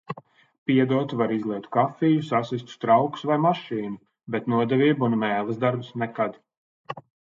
Piedot var izlietu kafiju, sasistus traukus vai mašīnu, bet nodevību un mēles darbus nekad.